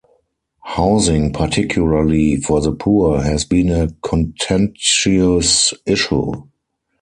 Housing, particularly for the poor, has been a contentious issue.